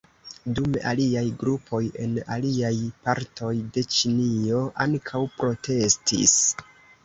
Dume aliaj grupoj en aliaj partoj de Ĉinio ankaŭ protestis.